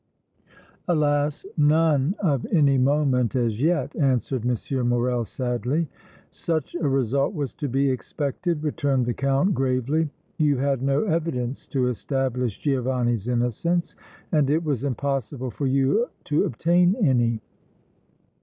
"Alas! none of any moment as yet," answered M. Morrel, sadly. "Such a result was to be expected," returned the Count, gravely. "You had no evidence to establish Giovanni's innocence and it was impossible for you to obtain any.